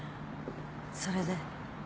それで？